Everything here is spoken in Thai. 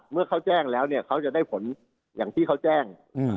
เมื่อเขาแจ้งแล้วเนี่ยเขาจะได้ผลอย่างที่เขาแจ้ง